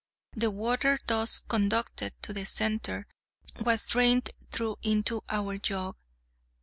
The water, thus conducted to the centre, was drained through into our jug.